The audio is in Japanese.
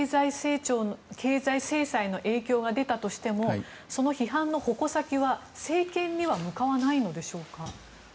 経済制裁の影響が出たとしてもその批判の矛先は政権には向かわないのでしょうか？